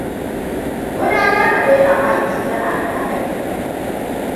Gudanar da dynamite yana da haɗari.